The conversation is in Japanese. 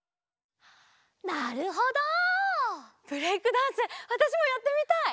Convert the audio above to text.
なるほど！ブレイクダンスわたしもやってみたい！